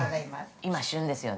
◆今、旬ですよね。